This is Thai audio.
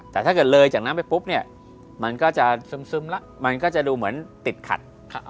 แต่ถ้าเกิดเลยจากนั้นไปปุ๊บมันก็จะดูเหมือนติดขัด